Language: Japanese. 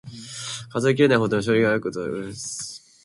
数えきれないほどの書物があること。書籍に埋もれんばかりのさま。